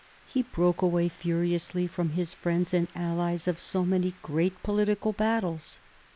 He broke away furiously from his friends and allies of so many great political battles.